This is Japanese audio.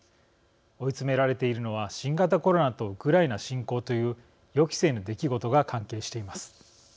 追い詰められているのは新型コロナとウクライナ侵攻という予期せぬ出来事が関係しています。